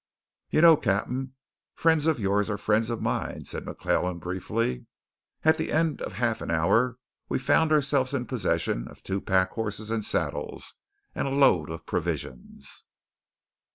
"You know, Cap'n, friends of your'n are friends of mine," said McClellan briefly. At the end of half an hour we found ourselves in possession of two pack horses and saddles, and a load of provisions.